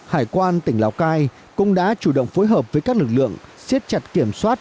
hải quan tỉnh lào cai cũng đã chủ động phối hợp với các lực lượng siết chặt kiểm soát